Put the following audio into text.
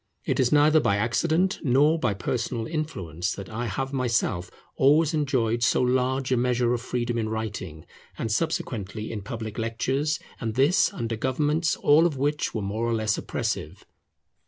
It is neither by accident nor by personal influence that I have myself always enjoyed so large a measure of freedom in writing, and subsequently in public lectures, and this under governments all of which were more or less oppressive.